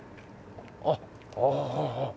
あっああ。